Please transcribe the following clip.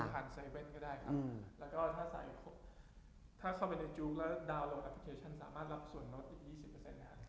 แล้วก็ถ้าเข้าไปในจู๊กแล้วดาวน์โลกแอปพลิเคชัน